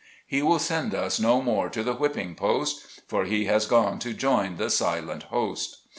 He will send us no more to the whipping post, For he has gone to join the silent host.